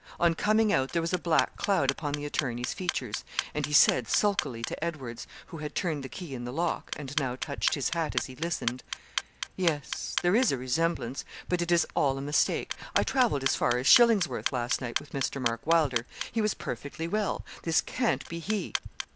On coming out there was a black cloud upon the attorney's features, and he said, sulkily, to Edwards, who had turned the key in the lock, and now touched his hat as he listened, 'Yes, there is a resemblance, but it is all a mistake. I travelled as far as Shillingsworth last night with Mr. Mark Wylder: he was perfectly well. This can't be he.'